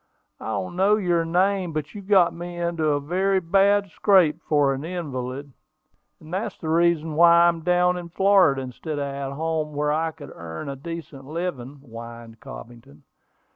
"I don't know your name, but you got me into a very bad scrape for an invalid; and that's the reason why I am down in Florida, instead of at home where I could earn a decent living," whined Cobbington.